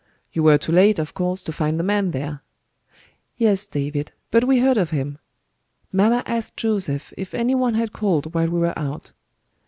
"You were too late, of course, to find the man there?" "Yes, David but we heard of him. Mamma asked Joseph if anyone had called while we were out.